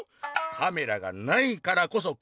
「カメラがないからこそこうつごう！